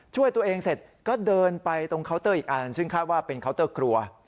ช่วยตัวเองเสร็จก็เดินไปตรงเคาน์เตอร์อีกอันซึ่งคาดว่าเป็นเคาน์เตอร์ครัว